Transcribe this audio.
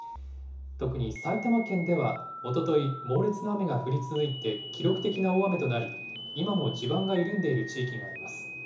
特に埼玉県では、おととい、猛烈な雨が降り続いて記録的な大雨となり、今も地盤が緩んでいる地域があります。